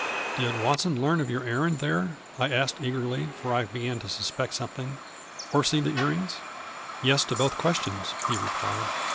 " Did Watson learn of your errand there ?" I asked eagerly, for I began to suspect some thing " or see the ear rings ?"" Yes, to both questions," he replied.